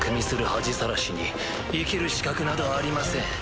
恥さらしに生きる資格などありません。